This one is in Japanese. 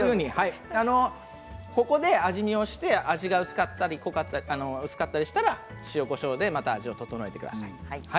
ここで味見をして味が濃かったり薄かったりしたら塩、こしょうでまた味を調えてください。